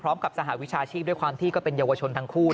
พร้อมกับสหวัดวิชาชีพด้วยความที่ก็เป็นเยาวชนทั้งคู่